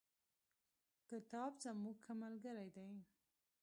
کتاب زموږ ښه ملگری دی.